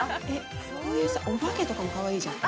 お化けとかもかわいいじゃん。